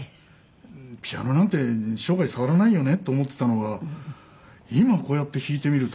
ピアノなんて生涯触らないよねって思ってたのが今こうやって弾いてみると。